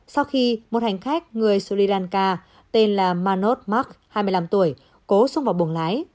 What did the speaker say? sau khi một hành khách người sri lanka tên manod mark hai mươi năm tuổi cố xuống vào bồng lái